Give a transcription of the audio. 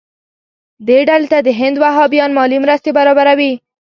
دې ډلې ته د هند وهابیان مالي مرستې برابروي.